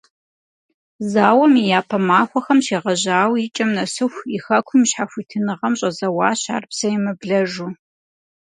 Зауэм и япэ махуэхэм щегъэжьауэ икӀэм нэсыху и хэкум и щхьэхуитыныгъэм щӀэзэуащ ар псэемыблэжу.